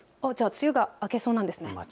梅雨が明けそうなんですね。